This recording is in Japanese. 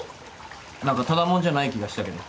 何かただ者じゃない気がしたけど。